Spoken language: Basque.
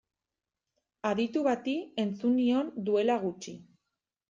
Aditu bati entzun nion duela gutxi.